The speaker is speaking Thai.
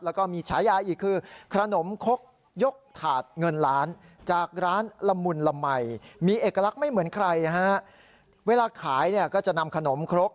แล้วก็มีฉายาอีกคือขนมครกยกถาดเงินล้าน